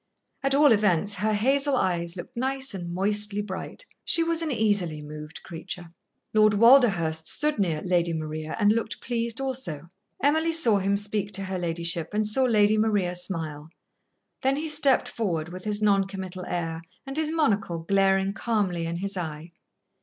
At all events, her hazel eyes looked nice and moistly bright. She was an easily moved creature. Lord Walderhurst stood near Lady Maria and looked pleased also. Emily saw him speak to her ladyship and saw Lady Maria smile. Then he stepped forward, with his non committal air and his monocle glaring calmly in his eye.